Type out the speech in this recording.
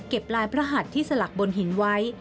ลายพระหัดที่สลักบนหินไว้